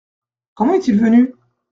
Comment est-il venu ?